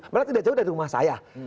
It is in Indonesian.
malah tidak jauh dari rumah saya